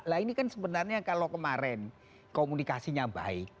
nah ini kan sebenarnya kalau kemarin komunikasinya baik